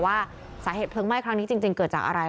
ว่าสาเหตุเพลิงไหม้ครั้งนี้จริงเกิดจากอะไร